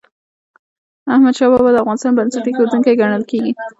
احمدشاه بابا د افغانستان بنسټ ايښودونکی ګڼل کېږي.